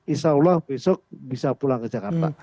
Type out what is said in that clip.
insya allah besok bisa pulang ke jakarta